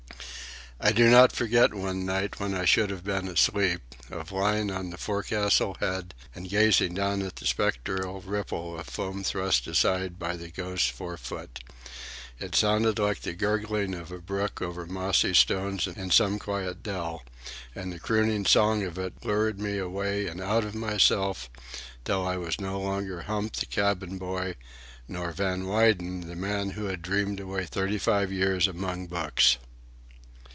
I do not forget one night, when I should have been asleep, of lying on the forecastle head and gazing down at the spectral ripple of foam thrust aside by the Ghost's forefoot. It sounded like the gurgling of a brook over mossy stones in some quiet dell, and the crooning song of it lured me away and out of myself till I was no longer Hump the cabin boy, nor Van Weyden, the man who had dreamed away thirty five years among books.